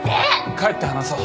帰って話そう。